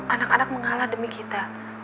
anak anak mengalah demi kita